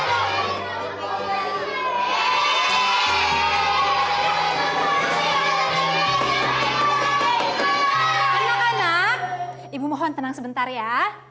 anak anak ibu mohon tenang sebentar ya